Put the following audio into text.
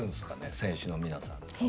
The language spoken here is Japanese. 選手の皆さんは。